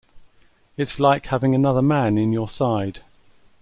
It's like having another man in your side.